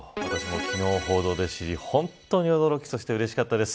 昨日報道で知り本当に驚き、うれしかったです。